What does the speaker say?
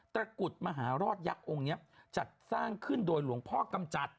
ระกุฎมหารอดยักษ์องค์นี้จัดสร้างขึ้นโดยหลวงพ่อกำจัด